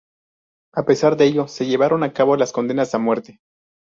A pesar de ello, se llevaron a cabo las condenas a muerte.